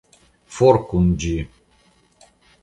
For kun ĝi!